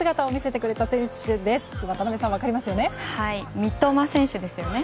三笘選手ですよね。